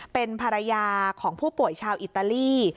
เป็นภรรยาของผู้ป่วยชาวอิตาลี